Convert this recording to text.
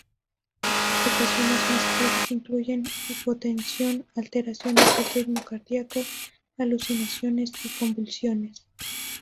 Las complicaciones más graves incluyen hipotensión, alteraciones del ritmo cardíaco, alucinaciones y convulsiones.